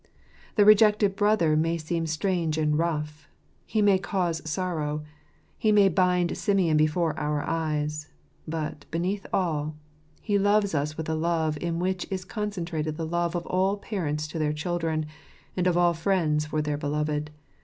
The rejected Brother may seem strange and rough. He may cause sorrow. He may bind Simeon before our eyes. But, beneath all, He loves us with a love in which is con centrated the love of all parents to their children, and of all friends for their beloved.